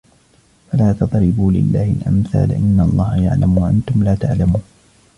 فَلَا تَضْرِبُوا لِلَّهِ الْأَمْثَالَ إِنَّ اللَّهَ يَعْلَمُ وَأَنْتُمْ لَا تَعْلَمُونَ